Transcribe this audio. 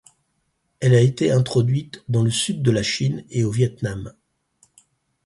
Elle a été introduite dans le sud de la Chine et au Viêt Nam.